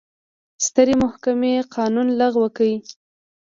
سترې محکمې قانون لغوه کړ.